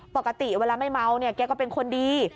ปกติเวลาไม่เมาเนี่ยแกก็เป็นคนดี